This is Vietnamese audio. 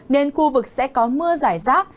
nên khu vực sẽ có mưa giải rác